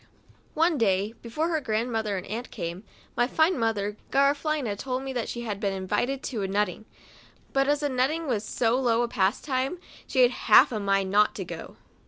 Cb T E clay, before her grandmother and aunt came, my fine mother, Garafelina, told me that she had been invited to a nutting, but as a nutting was so low a pastime, she had half a mind not to go.